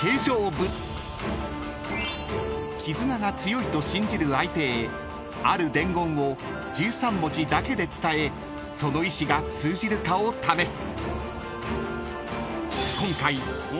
［絆が強いと信じる相手へある伝言を１３文字だけで伝えその意思が通じるかを試す］